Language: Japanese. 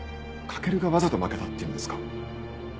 駆がわざと負けたっていうんですか？